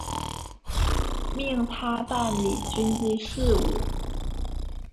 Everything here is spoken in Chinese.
命他办理军机事务。